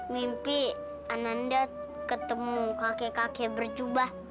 mimpi ananda ketemu kakek kakek bercuba